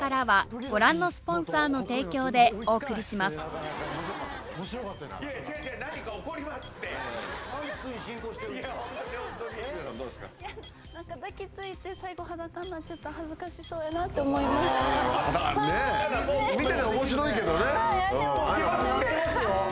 はい。